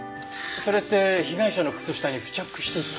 それって被害者の靴下に付着していた？